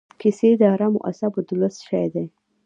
کیسې د ارامو اعصابو د لوست شی دی.